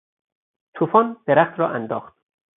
توفان درخت را انداخت.